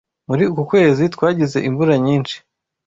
Muri uku kwezi Twagize imvura nyinshi.